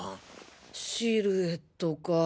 シルエットか。